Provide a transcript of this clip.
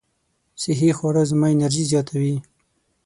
صحي خواړه زما انرژي زیاتوي.